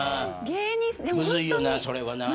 むずいよな、それはな。